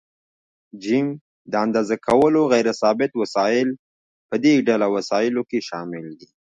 ج: د اندازه کولو غیر ثابت وسایل: په دې ډله وسایلو کې شامل دي.